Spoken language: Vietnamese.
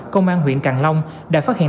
công an huyện càng long đã phát hiện